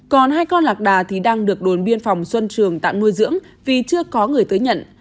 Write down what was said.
còn hai con lạc đà thì đang được đồn biên phòng xuân trường tạm nuôi dưỡng vì chưa có người tới nhận